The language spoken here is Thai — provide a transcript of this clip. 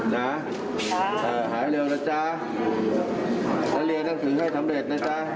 นะหายเร็วแล้วจ้าแล้วเรียนนั่งถือให้สำเร็จนะจ้า